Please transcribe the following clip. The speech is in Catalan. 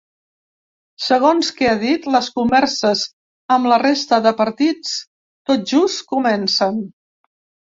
Segons que ha dit, les converses amb la resta de partits tot just comencen.